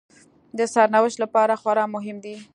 د سرنوشت لپاره خورا مهم دي